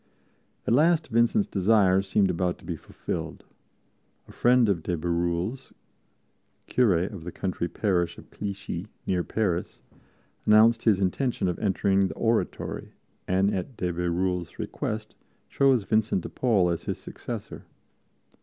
At last Vincent's desire seemed about to be fulfilled. A friend of de Bérulle's, curé of the country parish of Clichy, near Paris, announced his intention of entering the Oratory, and at de Bérulle's request chose Vincent de Paul as his successor.